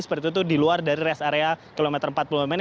seperti itu di luar dari rest area kilometer empat puluh lima ini